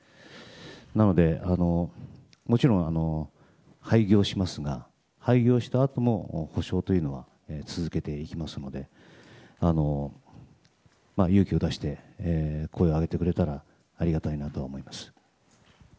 なので、もちろん廃業しますが廃業したあとも補償というのは続けていきますので勇気を出して声を上げてくれたらありがたいなと思います。